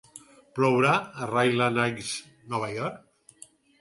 Plourà a Ryland Heights, Nova York?